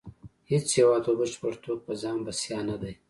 هیڅ هیواد په بشپړه توګه په ځان بسیا نه دی